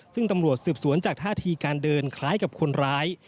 ซึ่งตำรวจสืบสวนจากท่าทีการเดินคล้ายกับคนร้าย